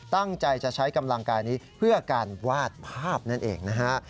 ตั้งใจจะใช้กำลังกายนี้เพื่อการวาดภาพนั่นเองนะฮะ